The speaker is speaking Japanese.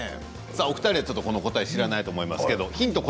お二人はこの答え知らないと思いますけどヒント